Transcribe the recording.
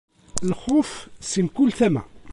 Lxuf si mkul tama.